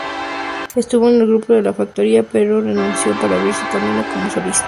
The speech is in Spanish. Estuvo en el grupo La Factoría, pero renunció para abrir su camino como solista.